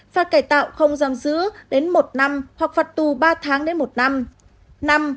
phạt cải tạo không giam giữ đến một năm hoặc phạt tù ba tháng đến một năm